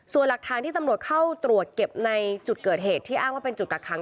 ส่วนหลักฐานที่ตำรวจเข้าตรวจเก็บในจุดเกิดเหตุที่อ้างว่าเป็นจุดกักขัง